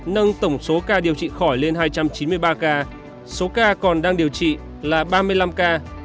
nâng tổng số ca điều trị khỏi lên hai trăm chín mươi ba ca số ca còn đang điều trị là ba mươi năm ca